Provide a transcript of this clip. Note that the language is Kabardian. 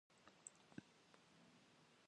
Ğurım ts'ıneri dos.